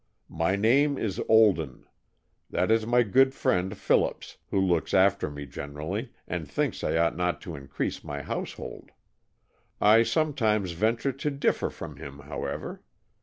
My name is Olden. This is my good friend Phillips, who looks after me generally, and thinks I ought not to increase my household. I sometimes venture to differ from him, however.